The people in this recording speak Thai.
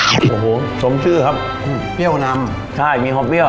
โอ้โหสมชื่อครับเปรี้ยวนำใช่มีความเปรี้ยว